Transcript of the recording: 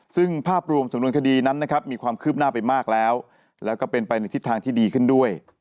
ซึ่งภาพรวมสำนวนคดีนั้นนะครับมีความคืบหน้าไปมากแล้วแล้วก็เป็นไปในทิศทางที่ดีขึ้นด้วย